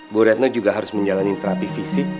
bu retno juga harus menjalani terapi fisik